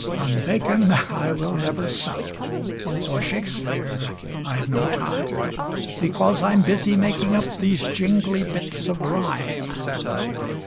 On Bacon I will never sup, For Shakespeare I've no time; Because I'm busy making up These jingly bits of rhyme.